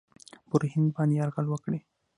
پر هند باندي یرغل وکړي.